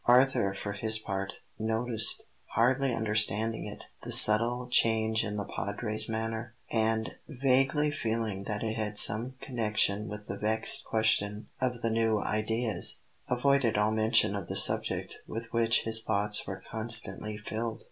Arthur, for his part, noticed, hardly understanding it, the subtle change in the Padre's manner; and, vaguely feeling that it had some connection with the vexed question of the "new ideas," avoided all mention of the subject with which his thoughts were constantly filled.